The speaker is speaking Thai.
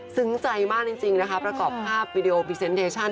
ใจมากจริงนะคะประกอบภาพวิดีโอพรีเซนต์เทชั่น